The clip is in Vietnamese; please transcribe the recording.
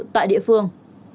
tại địa phương